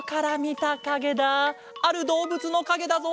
あるどうぶつのかげだぞ。